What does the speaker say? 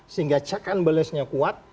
sehingga check and balance nya kuat